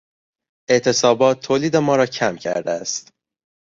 اعتصابات تولید ما را کم کرده است.